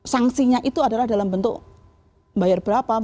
sanksinya itu adalah dalam bentuk bayar berapa